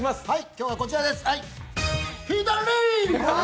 今日はこちらです。